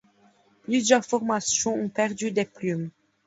Plusieurs formations ont perdu des plumes.